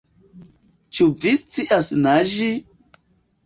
Ĉu vi scias naĝi?